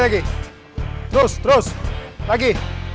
lagi terus terus lagi